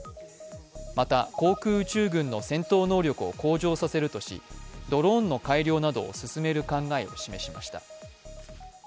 また、航空宇宙軍の戦闘能力を向上させるとしドローンの改良などを進める考えを示しました。